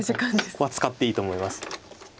ここは使っていいと思います。